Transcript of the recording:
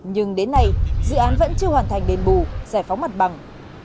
nhưng đến nay dự án vẫn chưa hoàn thành đền bù giải phóng mặt bằng